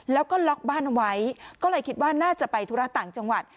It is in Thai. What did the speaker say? แล้วก็ล็อกบ้านเอาไว้ก็เลยคิดว่าน่าจะไปธุระต่างจังหวัด